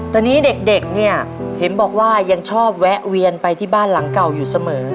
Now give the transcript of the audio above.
ตอนนี้เด็กเนี่ยเห็นบอกว่ายังชอบแวะเวียนไปที่บ้านหลังเก่าอยู่เสมอ